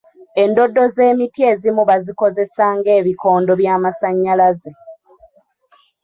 Endoddo z'emiti ezimu bazikozesa ng'ebikondo by'amasannyalaze.